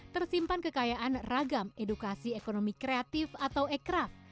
tersimpan kekayaan ragam edukasi ekonomi kreatif atau ekraf